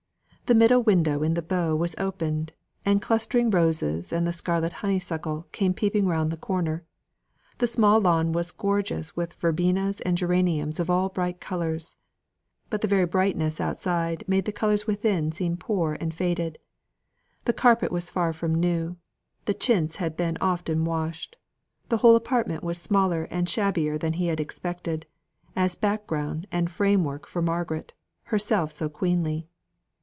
The middle window in the bow was opened, and clustering roses and the scarlet honeysuckle came peeping round the corner; the small lawn was gorgeous with verbenas and geraniums of all bright colours. But the very brightness outside made the colours within seem poor and faded. The carpet was far from new; the chintz had been often washed; the whole apartment was smaller and shabbier than he had expected, as back ground and frame work for Margaret, herself so queenly.